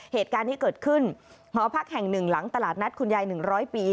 เหตุการณ์ที่เกิดขึ้นหอพักแห่ง๑หลังตลาดนัดคุณยาย๑๐๐ปี